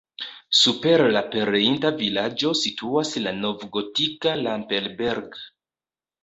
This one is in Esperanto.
Super la pereinta vilaĝo situas la novgotika Lampelberg.